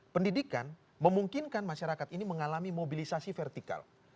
pendidikan memungkinkan masyarakat ini mengalami mobilisasi vertikal